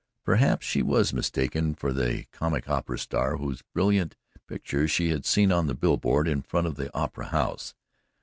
Perhaps she was mistaken for the comic opera star whose brilliant picture she had seen on a bill board in front of the "opera house."